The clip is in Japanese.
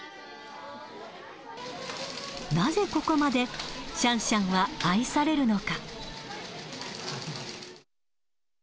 なぜここまで、シャンシャンは愛されるのか。